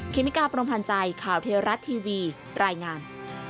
เมกาพรมพันธ์ใจข่าวเทวรัฐทีวีรายงาน